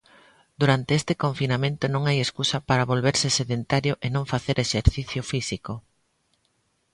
Durante este confinamento non hai escusa para volverse sedentario e non facer exercicio físico.